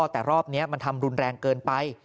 แต่รอบนี้มันทำรุนแรงเกินไป